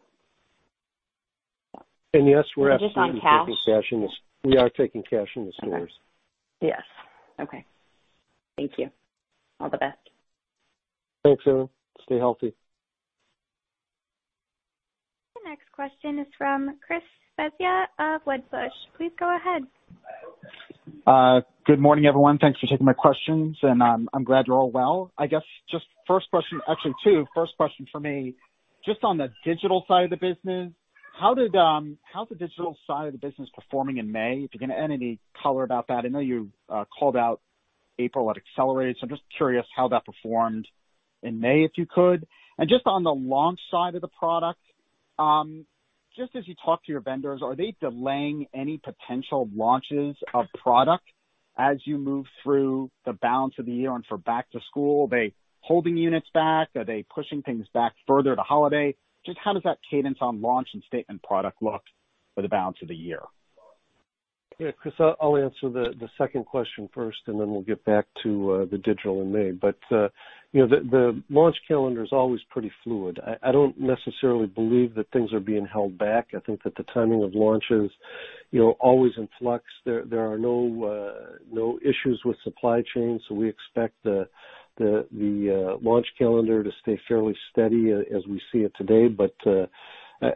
Yes, we're Just on cash? --taking cash in the stores. Yes. Okay. Thank you. All the best. Thanks, Erinn. Stay healthy. The next question is from Chris Svezia of Wedbush. Please go ahead. Good morning, everyone. Thanks for taking my questions. I'm glad you're all well. I guess just first question, actually two. First question for me, just on the digital side of the business, how's the digital side of the business performing in May? If you can add any color about that. I know you called out April had accelerated, so I'm just curious how that performed in May, if you could. Just on the launch side of the product, just as you talk to your vendors, are they delaying any potential launches of product as you move through the balance of the year and for back to school? Are they holding units back? Are they pushing things back further to holiday? Just how does that cadence on launch and statement product look for the balance of the year? Yeah, Chris, I'll answer the second question first, and then we'll get back to the digital in May. The launch calendar is always pretty fluid. I don't necessarily believe that things are being held back. I think that the timing of launch is always in flux. There are no issues with supply chain, so we expect the launch calendar to stay fairly steady as we see it today.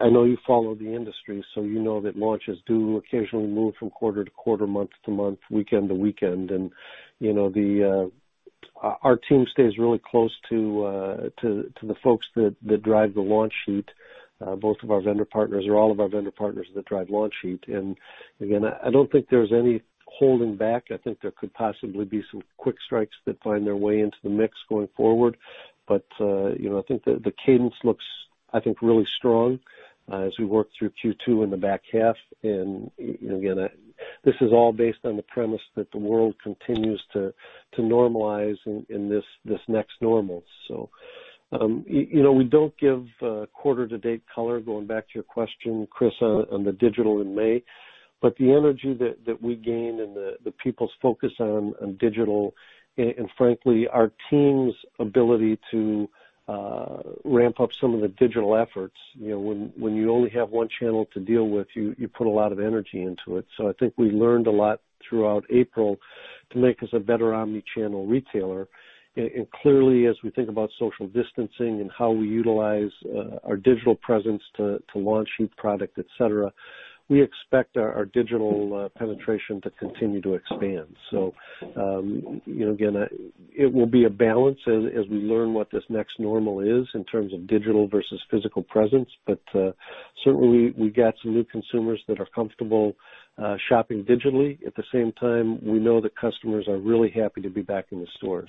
I know you follow the industry, so you know that launches do occasionally move from quarter to quarter, month to month, weekend to weekend. Our team stays really close to the folks that drive the launch heat, both of our vendor partners or all of our vendor partners that drive launch heat. Again, I don't think there's any holding back. I think there could possibly be some Quickstrikes that find their way into the mix going forward. I think the cadence looks really strong as we work through Q2 and the back half. Again, this is all based on the premise that the world continues to normalize in this next normal. We don't give quarter to date color, going back to your question, Chris, on the digital in May. The energy that we gain and the people's focus on digital, and frankly, our team's ability to ramp up some of the digital efforts, when you only have one channel to deal with, you put a lot of energy into it. I think we learned a lot throughout April to make us a better omni-channel retailer. Clearly, as we think about social distancing and how we utilize our digital presence to launch new product, et cetera, we expect our digital penetration to continue to expand. Again, it will be a balance as we learn what this next normal is in terms of digital versus physical presence. Certainly, we got some new consumers that are comfortable shopping digitally. At the same time, we know that customers are really happy to be back in the store.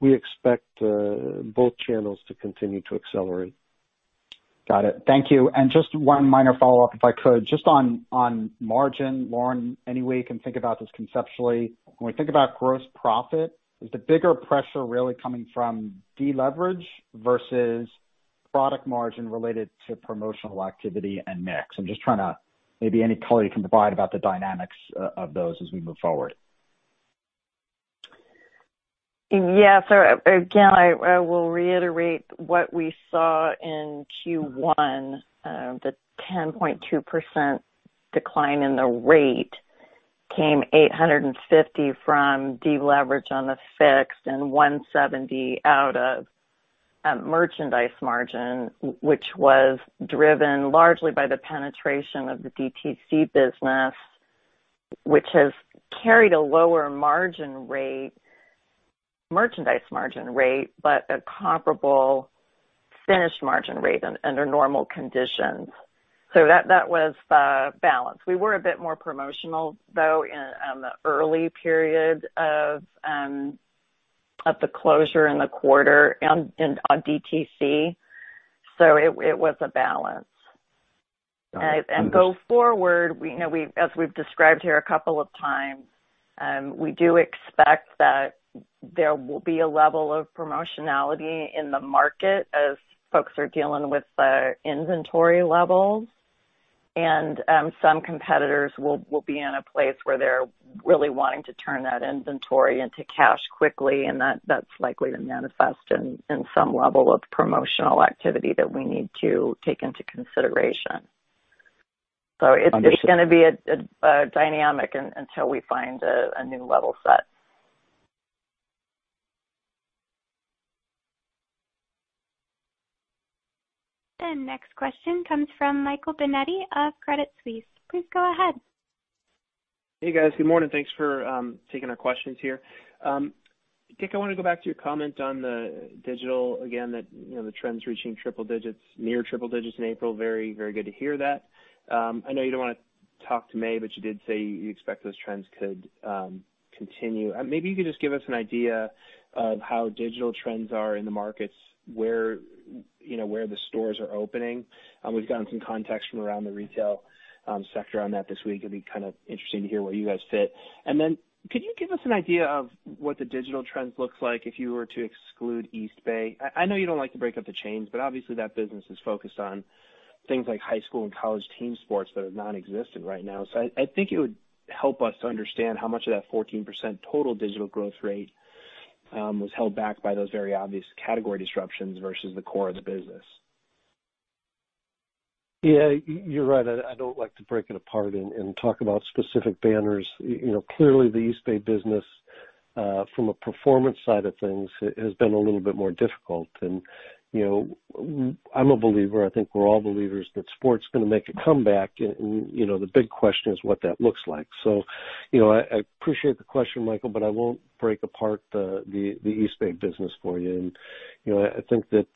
We expect both channels to continue to accelerate. Got it. Thank you. Just one minor follow-up, if I could. Just on margin, Lauren, any way you can think about this conceptually. When we think about gross profit, is the bigger pressure really coming from deleverage versus product margin related to promotional activity and mix? Maybe any color you can provide about the dynamics of those as we move forward. Yeah. Again, I will reiterate what we saw in Q1. The 10.2% decline in the rate came 850 from deleverage on the fixed and 170 out of merchandise margin, which was driven largely by the penetration of the DTC business, which has carried a lower merchandise margin rate, but a comparable finished margin rate under normal conditions. That was the balance. We were a bit more promotional, though, in the early period of the closure in the quarter on DTC. It was a balance. Go forward, as we've described here a couple of times, we do expect that there will be a level of promotionality in the market as folks are dealing with the inventory levels. Some competitors will be in a place where they're really wanting to turn that inventory into cash quickly, and that's likely to manifest in some level of promotional activity that we need to take into consideration. It's just going to be a dynamic until we find a new level set. The next question comes from Michael Binetti of Credit Suisse. Please go ahead. Hey, guys. Good morning. Thanks for taking our questions here. Dick, I want to go back to your comment on the digital again, that the trends reaching triple digits, near triple digits in April. Very good to hear that. I know you don't want to talk to May, but you did say you expect those trends could continue. Maybe you could just give us an idea of how digital trends are in the markets, where the stores are opening. We've gotten some context from around the retail sector on that this week. It'd be kind of interesting to hear where you guys fit. Could you give us an idea of what the digital trends looks like if you were to exclude Eastbay? I know you don't like to break up the chains. Obviously that business is focused on things like high school and college team sports that are nonexistent right now. I think it would help us to understand how much of that 14% total digital growth rate was held back by those very obvious category disruptions versus the core of the business. Yeah, you're right. I don't like to break it apart and talk about specific banners. Clearly, the Eastbay business. From a performance side of things, it has been a little bit more difficult. I'm a believer, I think we're all believers, that sport's going to make a comeback. The big question is what that looks like. I appreciate the question, Michael, but I won't break apart the Eastbay business for you. I think that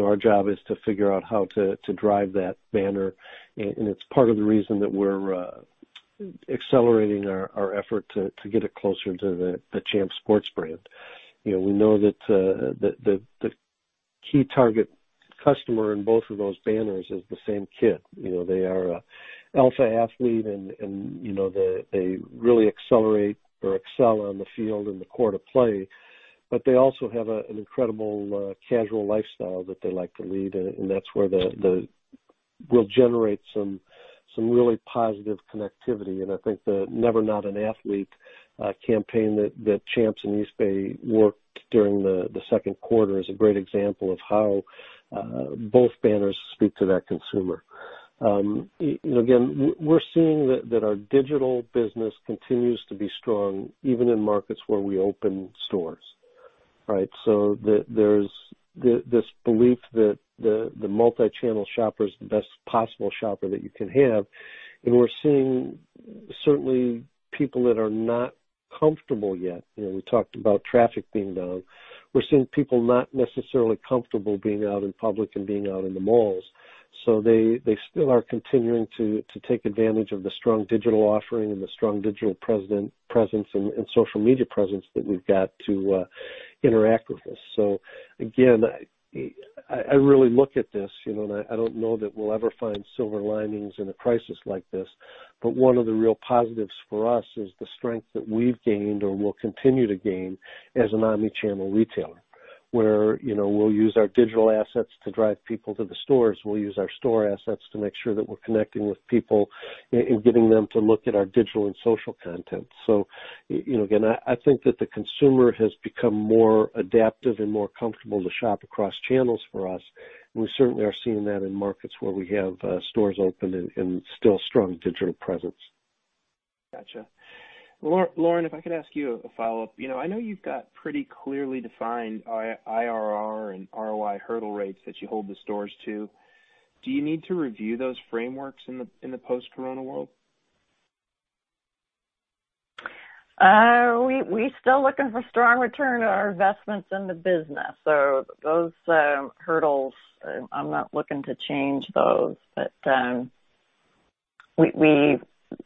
our job is to figure out how to drive that banner, and it's part of the reason that we're accelerating our effort to get it closer to the Champs Sports brand. We know that the key target customer in both of those banners is the same kid. They are alpha athlete and they really accelerate or excel on the field and the court of play. They also have an incredible casual lifestyle that they like to lead. That's where that will generate some really positive connectivity. I think the Never Not An Athlete campaign that Champs and Eastbay worked during the second quarter is a great example of how both banners speak to that consumer. We're seeing that our digital business continues to be strong, even in markets where we open stores. Right? There's this belief that the multi-channel shopper is the best possible shopper that you can have. We're seeing certainly people that are not comfortable yet. We talked about traffic being down. We're seeing people not necessarily comfortable being out in public and being out in the malls. They still are continuing to take advantage of the strong digital offering and the strong digital presence and social media presence that we've got to interact with us. Again, I really look at this, and I don't know that we'll ever find silver linings in a crisis like this, but one of the real positives for us is the strength that we've gained or will continue to gain as an omni-channel retailer, where we'll use our digital assets to drive people to the stores. We'll use our store assets to make sure that we're connecting with people and getting them to look at our digital and social content. Again, I think that the consumer has become more adaptive and more comfortable to shop across channels for us, and we certainly are seeing that in markets where we have stores open and still strong digital presence. Got you. Lauren, if I could ask you a follow-up. I know you've got pretty clearly defined IRR and ROI hurdle rates that you hold the stores to. Do you need to review those frameworks in the post-Corona world? We still looking for strong return on our investments in the business. Those hurdles, I'm not looking to change those.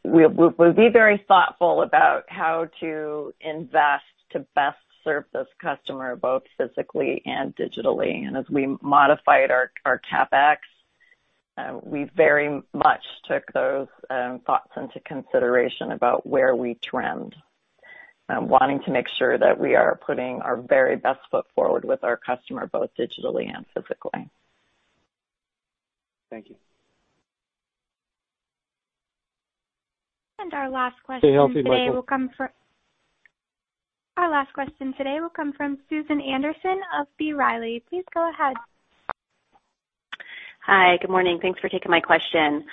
We'll be very thoughtful about how to invest to best serve this customer, both physically and digitally. As we modified our CapEx, we very much took those thoughts into consideration about where we trend. Wanting to make sure that we are putting our very best foot forward with our customer, both digitally and physically. Thank you. Our last question today will come from... Stay healthy, Michael. Our last question today will come from Susan Anderson of B. Riley. Please go ahead. Hi. Good morning. Thanks for taking my question.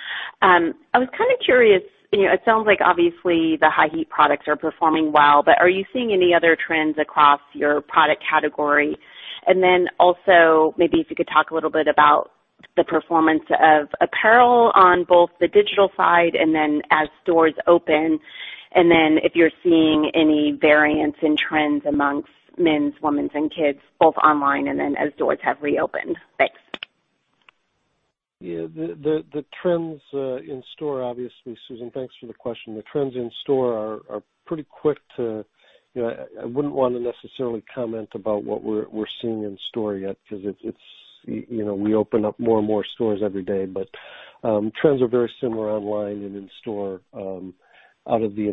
I was curious, it sounds like obviously the high heat products are performing well, but are you seeing any other trends across your product category? Also, maybe if you could talk a little bit about the performance of apparel on both the digital side and then as stores open, and then if you're seeing any variance in trends amongst men's, women's, and kids, both online and then as stores have reopened. Thanks. Yeah. The trends in store, obviously, Susan, thanks for the question. The trends in store are pretty quick to I wouldn't want to necessarily comment about what we're seeing in store yet because we open up more and more stores every day. Trends are very similar online and in store out of the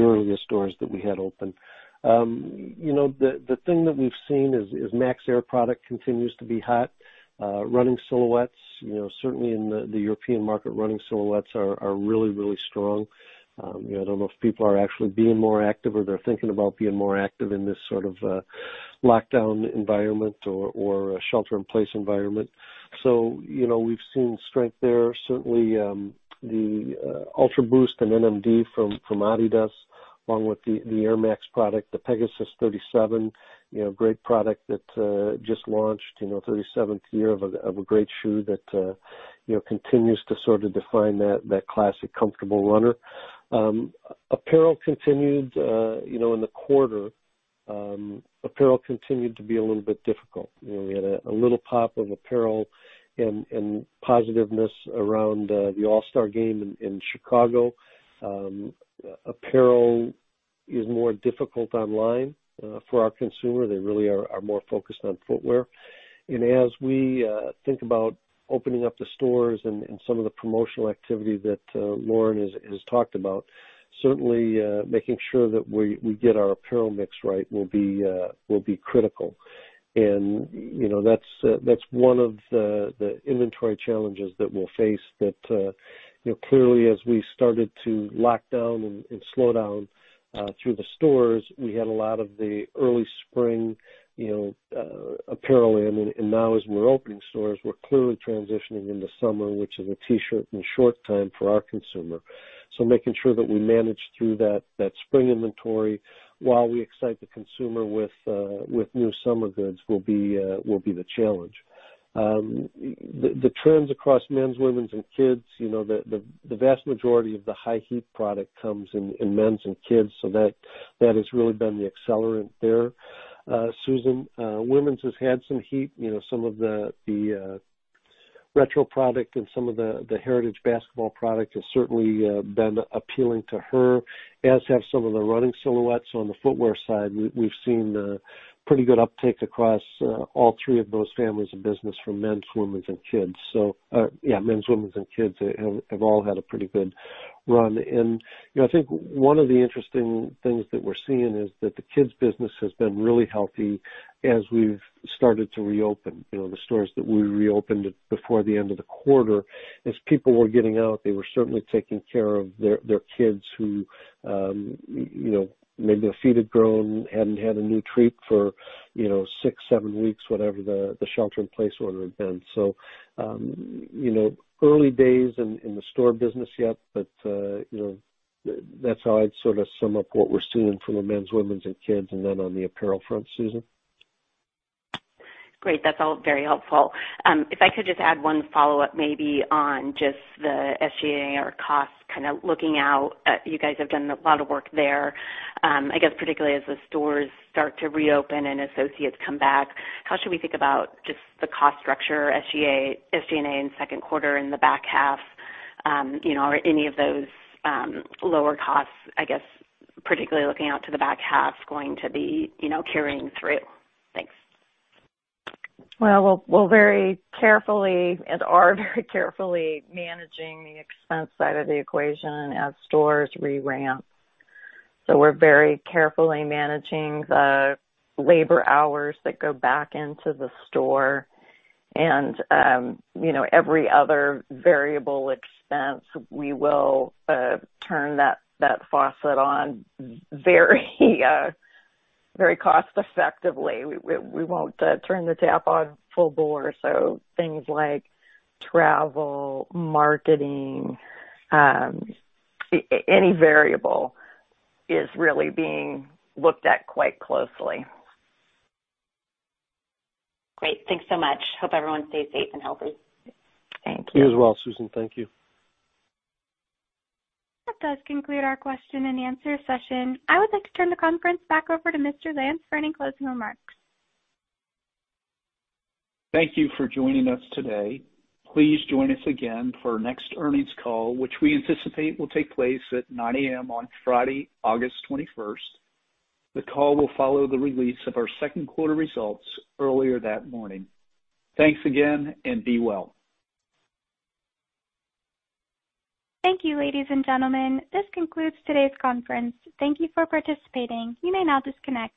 earliest stores that we had open. The thing that we've seen is Max Air product continues to be hot. Running silhouettes, certainly in the European market, are really, really strong. I don't know if people are actually being more active or they're thinking about being more active in this sort of lockdown environment or a shelter-in-place environment. We've seen strength there. Certainly, the Ultraboost and NMD from Adidas, along with the Air Max product, the Pegasus 37, great product that just launched, 37th year of a great shoe that continues to sort of define that classic comfortable runner. In the quarter, apparel continued to be a little bit difficult. We had a little pop of apparel and positiveness around the All-Star Game in Chicago. Apparel is more difficult online for our consumer. They really are more focused on footwear. As we think about opening up the stores and some of the promotional activity that Lauren has talked about. Certainly, making sure that we get our apparel mix right will be critical. That's one of the inventory challenges that we'll face that clearly as we started to lock down and slow down through the stores, we had a lot of the early spring apparel in. Now as we're opening stores, we're clearly transitioning into summer, which is a T-shirt and short time for our consumer. Making sure that we manage through that spring inventory while we excite the consumer with new summer goods will be the challenge. The trends across men's, women's, and kids, the vast majority of the high heat product comes in men's and kids, so that has really been the accelerant there. Susan, women's has had some heat. Some of the retro product and some of the heritage basketball product has certainly been appealing to her, as have some of the running silhouettes on the footwear side. We've seen pretty good uptake across all three of those families of business from men's, women's, and kids. Yeah, men's, women's, and kids have all had a pretty good run. I think one of the interesting things that we're seeing is that the kids business has been really healthy as we've started to reopen. The stores that we reopened before the end of the quarter, as people were getting out, they were certainly taking care of their kids who, maybe their feet had grown, hadn't had a new treat for six, seven weeks, whatever the shelter-in-place order had been. Early days in the store business yet, but that's how I'd sort of sum up what we're seeing from a men's, women's, and kids, and then on the apparel front, Susan. Great. That's all very helpful. If I could just add one follow-up maybe on just the SG&A or cost, kind of looking out. You guys have done a lot of work there. I guess particularly as the stores start to reopen and associates come back, how should we think about just the cost structure, SG&A in second quarter, in the back half? Are any of those lower costs, I guess particularly looking out to the back half, going to be carrying through? Thanks. Well, we'll very carefully, and are very carefully managing the expense side of the equation as stores re-ramp. We're very carefully managing the labor hours that go back into the store and every other variable expense. We will turn that faucet on very cost effectively. We won't turn the tap on full bore. Things like travel, marketing, any variable is really being looked at quite closely. Great. Thanks so much. Hope everyone stays safe and healthy. Thank you. You as well, Susan. Thank you. That does conclude our question-and-answer session. I would like to turn the conference back over to Mr. Lance for any closing remarks. Thank you for joining us today. Please join us again for our next earnings call, which we anticipate will take place at 9:00 A.M. on Friday, August 21st. The call will follow the release of our second quarter results earlier that morning. Thanks again, and be well. Thank you, ladies and gentlemen. This concludes today's conference. Thank you for participating. You may now disconnect.